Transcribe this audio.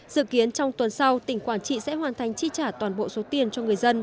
dự kiến trong tuần sau tỉnh quảng trị sẽ hoàn thành chi trả toàn bộ số tiền cho người dân